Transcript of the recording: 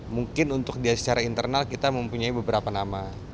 mungkin untuk dia secara internal kita mempunyai beberapa nama